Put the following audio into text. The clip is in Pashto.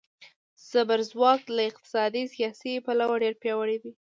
زبرځواک له اقتصادي، سیاسي پلوه ډېر پیاوړي وي.